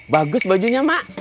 bagus bajunya mak